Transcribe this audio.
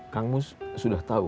kang mus sudah tahu